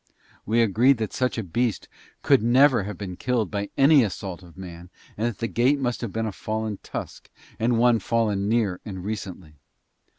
We agreed that such a beast could never have been killed by any assault of man, and that the gate must have been a fallen tusk, and one fallen near and recently.